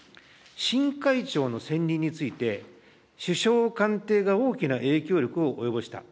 新会長の選任について、首相官邸が大きな影響力を及ぼした。